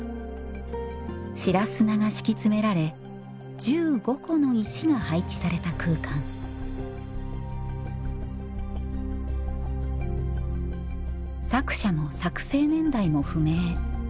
白砂が敷き詰められ１５個の石が配置された空間作者も作製年代も不明。